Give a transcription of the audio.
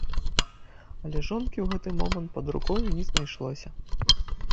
Але жонкі ў гэты момант пад рукой не знайшлося.